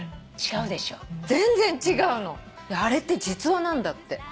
あれって実話なんだって。